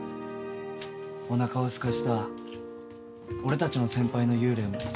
おなかをすかした俺たちの先輩の幽霊も。